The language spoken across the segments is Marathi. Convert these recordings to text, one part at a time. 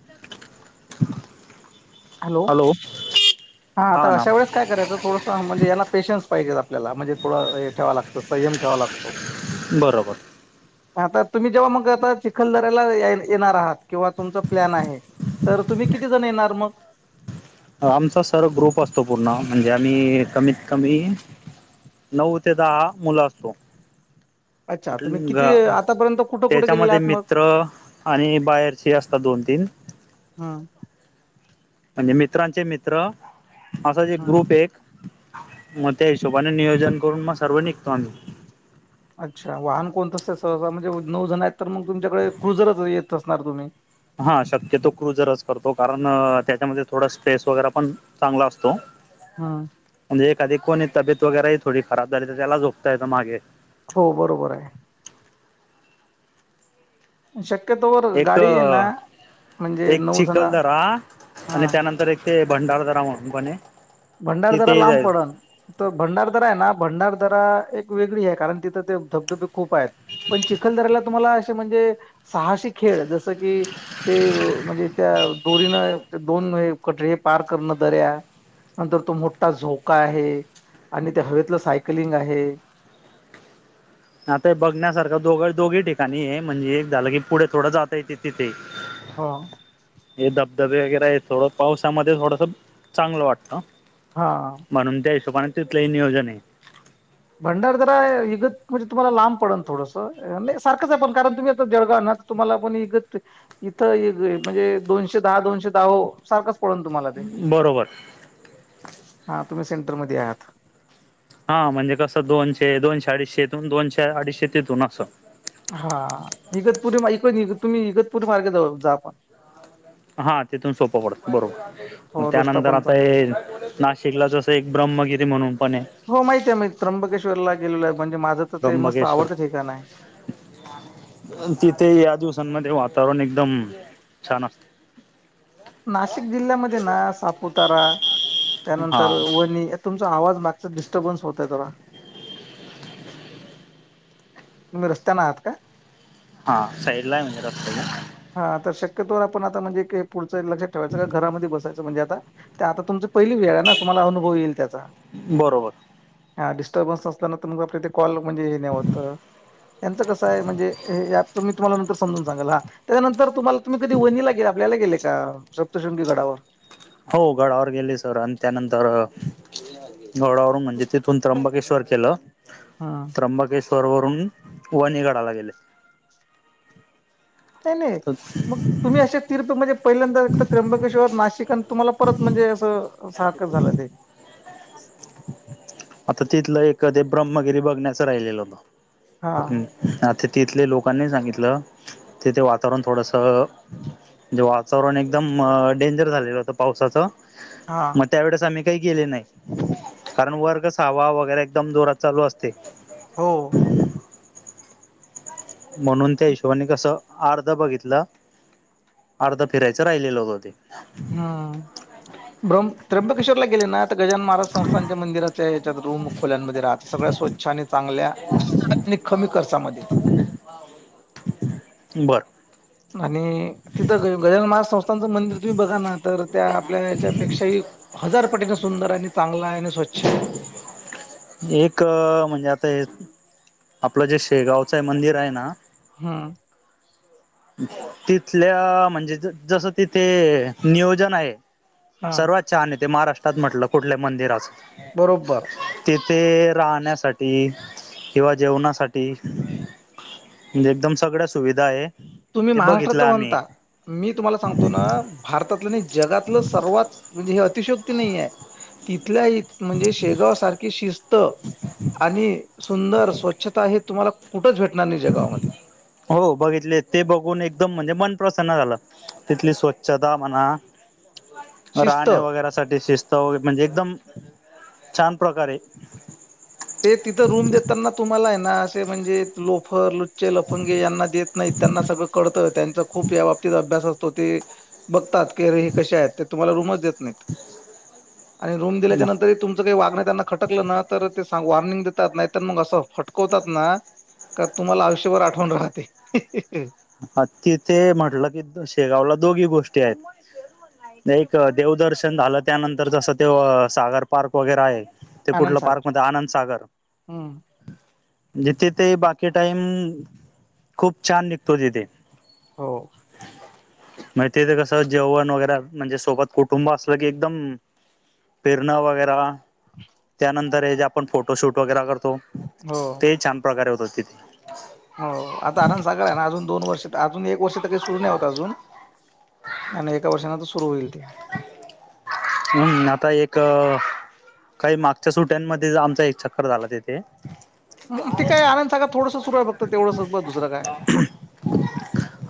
[unintelligible] हॅलो हा हां आता ना अशा वेळेस काय करायचं थोडंस म्हणजे या पेशन्स पाहिजेत आपल्याला म्हणजे थोडं हेे ठेवा लागतो संयम ठेवा लागतो. बरोबर हा तर तुम्ही जेव्हा मग आता चिखलदऱ्याला येय येणार आहात किंवा तुमचा प्लॅन आहे. तर तुम्ही किती जण येणार मग आमचा सर ग्रुप असतो पूर्ण म्हणजे आम्ही कमीत कमी नऊ ते दहा मुलं असतो. अच्छा कुठ तुम्ही ग किती आतापर्यंत कुठं कुठे गेलेले त्याच्यामध्ये आहात मग मित्र आणि बाहेरचे अस तात दोन तीन हा म्हणजे मित्रांचे मित्र असाच एक हम्म ग्रुप एक म त्या हिशोबाने नियोजन करून म सर्व निघतो आम्ही. अच्छा वाहन कोणतं असंत सहसा म्हणजे नऊ जण आहेत तर मग तुमच्याकडे क्रुझरच येत असणार तुम्ही हा शक्यतो क्रुजरच करतो कारण त्याच्यामध्ये थोडा स्पेस वगैरा पण चांगला असतो. हा म्हणजे एखादी कोणी तब्येत वगैरे ही थोडी खराब झाली तर त्याला झोपता येतं मागे. हो बरोबर आहे. शक्यतोवर एक गाडी आहे ना म्हणजे एक नऊ जण हा चिखलदरा आणि त्यानंतर एक ते भंडार दारा म्हणून पण ये भंडारदारा लांब पडन. तो भंडारदरा हाय ना भंडारदरा एक वेगळी ये कारण तिथं ते धबधबे खूप आहेत पण चिखलदऱ्याला तुम्हाला असे म्हणजे सहाशे खेळ जसं की, ते म्हणजे त्या दोरीनं दोन कट हे पार करणं दऱ्या नंतर तो मोठा झोका आहे आणि त्या हवेतलं सायकलिंग आहे. हा ते बघण्यासारखं दोघ दोघी ठिकाणी ये म्हणजे एक झालं की पुढे थोडं जाता येते तिथे. हो. हे धबधबे वगैरे आहे थोडं पावसामध्ये थोडंस चांगलं वाटत. हा. म्हणून त्या हिशोबाने तिथलंही नियोजन ये. भंडारदारा इगत म्हणजे तुम्हाला लांब पडल थोडसं नाय सारखंच ये पण कारण तुम्ही आता जळगाव नं तुम्हाला पण इगत इथं इग म्हणजे दोनशे दहा दोनशे दहा ओ सारखं पडणं तुम्हाला ते बरोबर हा तुम्ही सेंटरमध्ये आहात. हा म्हणजे कसं दोनशे दोनशे अडीचशे इथून दोनशे अडीचशे तिथून असं हा इगतपुरी एक वेळ तुम्ही इगतपुरी मार्गे जाऊ जा पण हा तिथून सोपं पडलं बरोबर म हो रस्ता त्यानंतर पण आता चांगला हे नाशिकला जसं एक ब्रह्मगिरी म्हणून पण ये हो माहित ये माहित त्र्यंबकेश्वरला गेलेलो हाय म्हणजे माझं तर ते मस्त त्र्यंबकेश्वर आवडतं ठिकाण हाय. तिथे या दिवसांमध्ये वातावरण एकदम छान असत नाशिक जिल्ह्यामध्ये ना सापुतारा हा त्यानंतर वणी तुमचा आवाज मागचा डस्टर्बन् होतय तोरा निम् रस्त्याना आहत का हा साईड ला म्हणजे रस्त हा तर शक्यतोवर आपण आता म्हणजे पुढं लक्षात ठेवायचं का घरामध्ये बसायचं म्हणजे आता आता तुमच पहिली वेळ आहे ना तुम्हाला अनुभव येईल त्याचा बरोबर ह डिस्टर्बन् असल्यान तर कॉ म्हणजे हे नाही होत यांचं कसं आहे म्हणजे मी तुम्हाला नंतर समजून सांगाल हा त्याच्यानंतर तुम्हाला तुम्ही कधी वणीनीला गेल आपल्याला गेले का सप्तशृंगी गडावर हो गडावर गेली सर आणि त्यानंतर घोडावरून म्हणजे तिथून त्र्यंबकेश्वर केलं हा त्र्यंबकेश्वररून वणीगडाला गेले त्यांनी मग तुम्ही अशे तीर्थ म्हणजे पहिल्यांदा एक त्र्यंबकेश्वर नाशिक आणि तुम्हाला परत म्हणजे असं सहक झालं ते आता तिथलं एक ते ब्रह्मगिरी बघण्याचं राहिलेलं हा. होत् आ ते तिथले लोकांनी सांगितलं तथे वातावरण थोडंसं म्हणजे वातावरण एकदम डेंजर झालेलं होतं पावसाचं हा मग त्यावेळेस आम्ही केले नाही [inaudible] कारण वर्ग सवा वगैरे एकदम जोरात चालू असते हो म्हणून त्या हिशोबानी कसं आर्ध बघितलं आर्ध फिरायचं राहिलेलं होतं ते हमम ब्रम त्र्यंबकेशोवरला गेले ना आता गजानन महाराज संस्थांच्या मंदिराच्या जायचं रूम खोल्यामध्ये राहा, सगळ्या स्वच्छ आणि चांगल्या आणि कमी खर्चामध्ये बरं आणि तिथं ग गजन महज संस्थांचं मंदिर तुम्ही बघा ना तर त्या आपल्या याच्यापेक्षाही हजार पटीने सुंदर आहे आणि चांगला आहे आणि स्वच्छ आहे एक म्हणजे आता हे आपलं जे शेगावचं आहे मंदिर आहे ना हा तिथल्या म्हणजे जस तिथे नियोजन आहे हा सर्वात चहा न ते महाराष्ट्रात म्हटलं कुठल्या मंदिराचं बरोरोबर तिथे राहण्यासाठी किंवा जेवणासाठी एकदम सगळ्या सुविधा आहे. तुम्ही ते महाराष्ट्राच बघितलं आम्ही म्हणता, मी तुम्हाला सांगतो ना भारतातलं नाही जगातलं सर्वात म्हणजे हे अतिशोक्ती नाहीय हाय तिथल्या इ म्हणजे शेगांव सारखी शिस्त आणि सुंदर स्वच्छता हे तुम्हाला कुठच भेटणार नाही जगामध्ये हो बघितले ते बघून एकदम म्हणजे मन प्रसन्न झालं तिथली स्वच्छता म्हणा हं [unintelligible] शिस्त राहणे वगैरेसाठी शिस्त म्हणजे एकदम छान प्रकारे. ते तिथं रूम देताना तुम्हाला आहे ना, ते म्हणजे लोफर लुचे, लफंगे यांना देत नाहीत, त्यांना सगळं कळतं त्यांचा खूप या बाबतीत अभ्यास असतो. मग ते बघतात की अरे हे कसे आहेत ते तुम्हाला रूमच देत नाही. आणि रूम दिल्याच्या नंतर तुमचं काही वागणं त्यांना खटकलं ना तर सांगून वॉर्निंग देतात नाही तर मग असं फटकवतात ना. का तुम्हाला आयुष्यभर आठवण राहते. हं तिथे म्हटलं की शेगावला दोघी गोष्टी आहेत. एक देवदर्शन झालं त्यानंतर जसं ते सागर पार्क वगैरे आहे, ते आनंद कुठलं पार्क सागर मध्ये आनंदसागर हम्म जिथे ते बाकी टाईम खूप छान निघतो तिथे. हो मग तिथे कसं जेवण वगैरे म्हणजे सोबत कुटुंब असलं की एकदम फिरणं वगैरे त्यानंतर हे जे आपण फोटोशूट वगैरे करतो. हो ते छान प्रकारे होतात तिथे. हो आता आनंद सागर आहे ना, आजून दोन वर्ष आजून एक वर्ष तर ते सुरू नाही होतं आजून. नाही नाही एका वर्षाने सुरू होईल ते. हम्म आता एक काही मागच्या सुट्ट्यांमध्ये आमचा एक चक्कर झाला तिथे. ह्ं ते काय आनंद सागर थोडसं सुरू आहे फक्त तेवढंच बस दुसरं काय.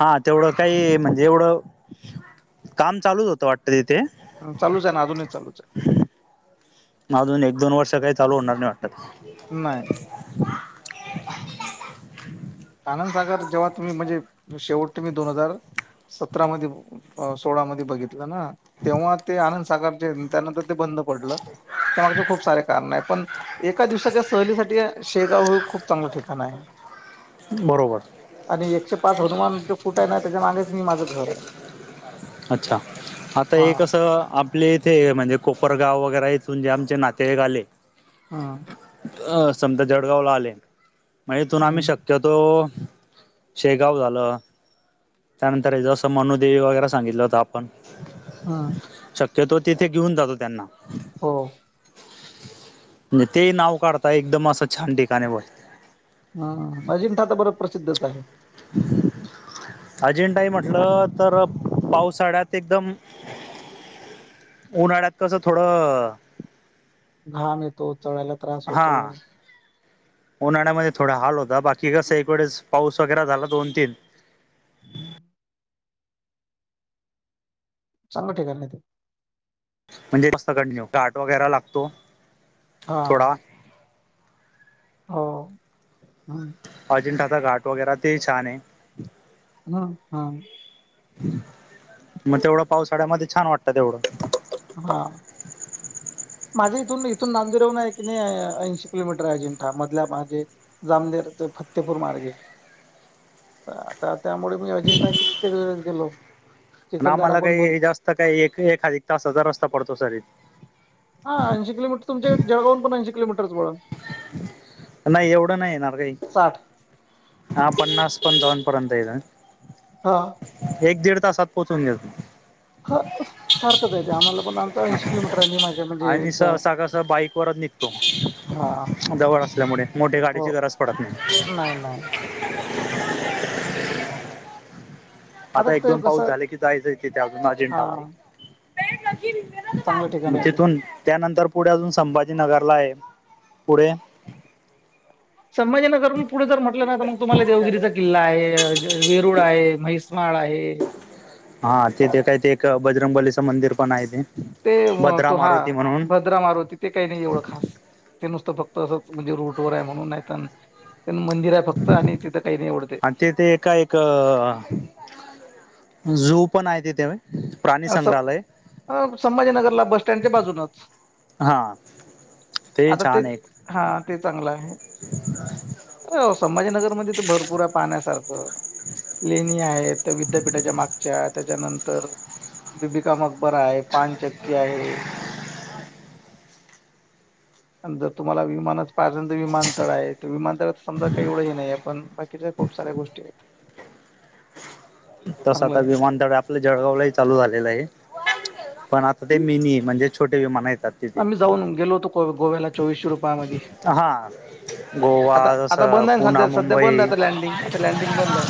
हां तेवढं काही म्हणजे एवढं काम चालूच होतं वाटतं. तिथे. चालूच आहे ना अजूनही चालूच आहे. अजून एक दोन वर्ष काही चालू होणार नाही वाटतं? नाही. आनंदसागर जेव्हा तुम्ही म्हणजे शेवट तुम्ही दोन हजार सतरामध्ये सोळामध्ये बघितलं. ना तेव्हा ते आनंद सागरचे त्यानंतर ते बंद पडलं त्यामागचे खुप सारे कारण आहेत पण एका दिवसाच्या सहलीसाठी शेगाव हे खूप चांगलं ठिकाण आहे. बरोबर आणि एकशे पाच हनुमान जे फूट आहे ना त्याच्या मागेच मी माझं घर आहे अच्छा आता हा हे कसं आपले इथे म्हणजे कोपरगाव वगैरे इथून जे आमचे नातेवाईक आले. हां अ समजा जळगावला आले मग इथून आम्ही हम्म शक शक्यतो शेगांव झालं. त्यानंतर जसं मनुदेवी वगैरे सांगितलं होतं आपण. हां शक्यतो तिथे घेऊन जातो त्यांना. हो ते ही नाव काढता एकदम असं छान ठिकाणी ह्ं अजिंठा तर बरंच प्रसिद्धच आहे. हम्म अजिंठाई म्हटलं तर पावसाळ्यात एकदम उन्हाळ्यात कसं थोडं घाम येतो चळायला त्रास होतो. हा उन्हाळ्यामध्ये थोडा हाल होता बाकी कस एक वेळेस पाऊस वगैरे झाला दोन-तीन. हम्. चांगलं ठिकान ये. म्हणजे कस कंटिन्यू घाट वगैरे लागतो. हा. थोडा हो, हम्. अजिंठाचा घाट वगैर ते छान आहे. ह, हा. मग तेवढं पावसाळ्यामध्ये छान वाटतात तेवढं. हा. माझ्या इथून, इथून नांदूर येऊन आहे की नाही ऐंशी किलोमीटर आहे अजिंठा मधल्या माझे. जामनेरचे फतेपूर मार्गे. आता त्यामुळे मी अजिंठा किती वेळेस गेलो. ना चिखलदरा आम्हाला पण काही भरपूर जास्त काही एक-एखाधिक तासाचा रस्ता पडतो सरी. ह ऐंशी किलोमीटरु तुमच्या जळगाव पण ऐशी किलोमीटरच बण. नाही एवढं नाही येणार रे, साठ हा पन्नास पण दोन पर्यंत येते. हा. एक दीड तासात पोहोचून घेतो. ह सारखंच येते आम्हाला पण आमचा ऐंशी किलोमीटर आणि. आणि स सगस बाईक वरच निघतो. हा जवळ असल्यामुळे मोठे हो गाडीची गरज पडत नाही. नाही नाही. आता ते एक-दोन पाऊस कसं झाले की जायचंय तिथे अजून हा अजिंठाला. चांगलं ठिकाण आहे ते तिथून त्यानंतर पुढे अजून संभाजी नगरला आहे पुढे. संमभाजी नागरून पुढे जर म्हटलं ना तर मग तुम्हाला देवगिरीचा किल्ला आहे, वेरुळ आहे, म्हैसमाळ आहे. हा तेिथे काही ते एक बजरंगलीचं मंदिर पण आहे ते. ते भद्रा तू हा मारुती म्हणून ब प्रहार होती ते काही नाही एवढं खास ते नुसतं फक्त असंच म्हणजे रूटवर आहे म्हणून नाही मंदिर आहे फक्त आणि तिथं काही नाही वरती. तेिथे का एक जू पण आहे तेिथे. असं, संभाजीनगरला बस सटँडच्या बाजूनच. हा ते छान एक. हा ते चांगलं आहे. [inaudible] हो संभाजीनगर मध्ये तर भरपूर आहे पाण्यासारखं. लेणी आहे ते विद्यापीठाच्या मागच्या त्याच्यानंतर बीपिका मकबर आहे, पान चक्की आहे. जर तुम्हाला विमानात पाहिज विमानतळ आहे तर विमानतळात समजा काही एवढं हे नाही पण बाकीच्या खूप साऱ्या गोष्टी आहेत. तसं आता चांगलं विमानतळ. आप जळगावलाही चालू झालेलं आहे, पण आता ते हम्म. मिनी म्हणजे छोटे विमान येतात. तिथे आम्ही जाऊन गेलो होतो गोव्याला चोवीसशे रुपयामध्ये. अहा. आता आता बंद आहे सध्या सध्या बंद मुंबई आहे आता लँडिंग आता लँडिंग बंद आहे.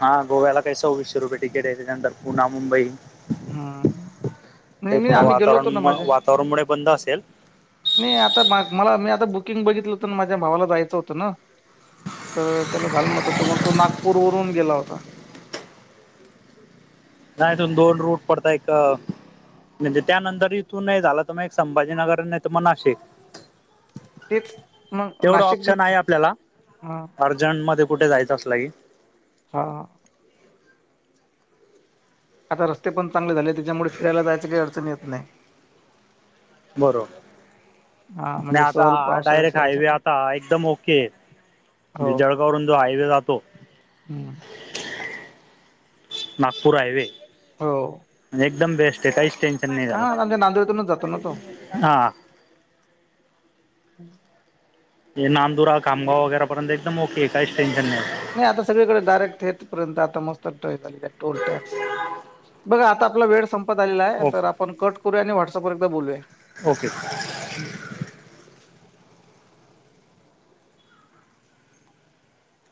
हा गोव्याला काही सव्वीसशे रुपये तिकिट आहे त्याच्या नंतर पुना मुंबई हम्म ते नाही मी थोडं आम्ही गेलो होतो वातावरण ना माझ्या वातावरण मुळे बंद असेल. नाही आता मला मी आता बुकिंग बघितलं होतं ना माझ्या भावाला जायचं होतं ना. तर त्याला झालं नव्हतं तर मग तो नागपूर वरून गेला होता. नाही इथून दोन रूट पडत एक म्हणजे त्यानंतर इथून झालं तर मग एक संभाजीनगर नाही तर मग नाशिक तेच मग तेवढा नाशिक ऑप्शन आहे आपल्याला हा अ मध्ये कुठे जायचं असल की हा आता रस्ते पण चांगले झाले त्याच्यामुळे फिरायला जायंच काय अडचण येत नाही. बरो हा म्हणजे नाही आता सहल हा पावसाळ्यात डायरेक्ट हायवे सहलीसाठी आता एकदम ओके. जळगाव वरुन जो हायवे जातो. ह नागपूर हायवे. हो एकदम बेस्ट आहे काही स्टे हा आमच्या नांदेडतूनच जातो ना तो हां हे नांदुरा खमगाव वगैरेपर्यंत एकदमओे आहे काहीच टेनशन नाही. नाही आता सगळीकडे डायरेक्टथपर्यंतता मस्त झाले आहे टोल टॅक्स बघा आता आपला वेळ संपत आलेला आहे तर ओके आपण कट करूया आणि व्हॉट्सअपवर एकदा बोलूया. ओके हम